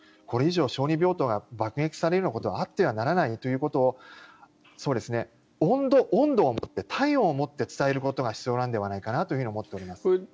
これ以上、小児病棟が爆撃されるようなことはあってはならないということを温度を持って、体温を持って伝えることが大切じゃないかなと思います。